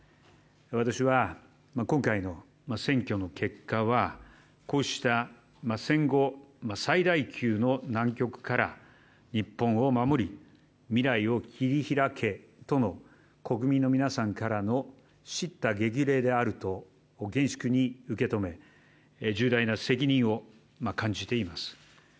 私はこの選挙の結果はこうした戦後最大級の難局から日本を守り未来を切り開けとの国民の皆様からの叱咤激励であると厳粛に受け止め重大な責任を感じています。